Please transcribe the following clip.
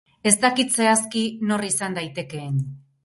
Ez dakit zehazki nor izan daitekeen.